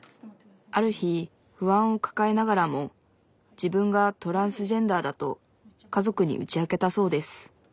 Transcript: ある日不安を抱えながらも自分がトランスジェンダーだと家族に打ち明けたそうです。